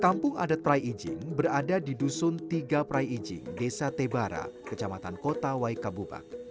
kampung adat prai ijing berada di dusun tiga prai iji desa tebara kecamatan kota waikabubak